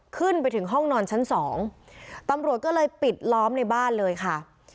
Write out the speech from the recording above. ขึ้นไปถึงห้องนอนชั้นสองตำรวจก็เลยปิดล้อมในบ้านเลยค่ะ